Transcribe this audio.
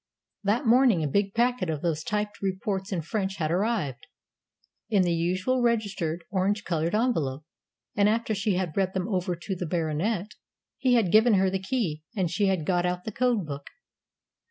That morning a big packet of those typed reports in French had arrived in the usual registered, orange coloured envelope, and after she had read them over to the Baronet, he had given her the key, and she had got out the code book.